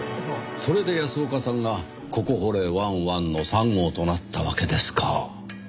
それで安岡さんがここ掘れワンワンの３号となったわけですか。